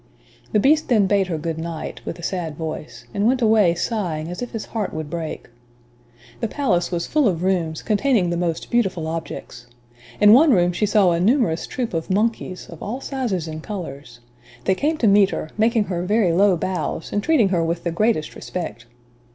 The Beast then bade her good night, with a sad voice, and went away sighing as if his heart would break. The palace was full of rooms, containing the most beautiful objects. In one room she saw a numerous troupe of monkeys, of all sizes and colors. They came to meet her, making her very low bows, and treating her with the greatest respect.